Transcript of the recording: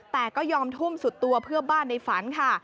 แต่ก็ยอมทุ่มสุดตัวเพื่อบ้านในฝันค่ะ